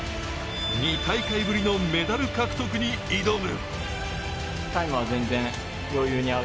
２大会ぶりのメダル獲得に挑む。